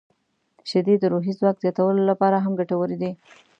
• شیدې د روحي ځواک زیاتولو لپاره هم ګټورې دي.